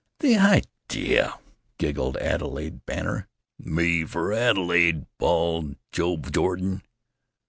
"The idea!" giggled Adelaide Benner. "Me for Adelaide!" bawled Joe Jordan.